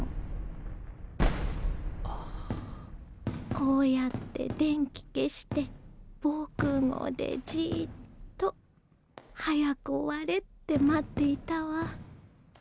こうやって電気消して防空壕でじっと「早く終われ」って待っていたわ。